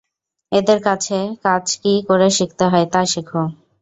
এদের কাছে কাজ কি করে করতে হয়, তা শেখ।